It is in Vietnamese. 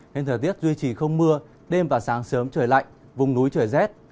nên thời tiết duy trì không mưa đêm và sáng sớm trời lạnh vùng núi trời rét